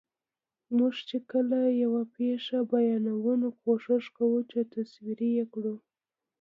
موږ چې کله یوه پېښه بیانوو، نو کوښښ کوو چې تصویري یې کړو.